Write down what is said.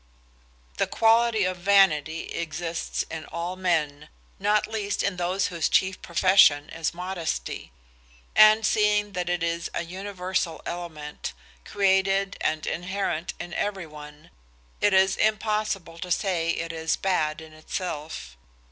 The quality of vanity exists in all men, not least in those whose chief profession is modesty; and seeing that it is a universal element, created and inherent in every one, it is impossible to say it is bad in itself.